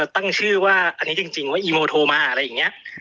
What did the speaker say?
ตั้งชื่อว่าอันนี้จริงว่าอีโมโทรมาอะไรอย่างนี้